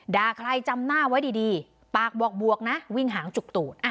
ใครจำหน้าไว้ดีปากบอกบวกนะวิ่งหางจุกตูด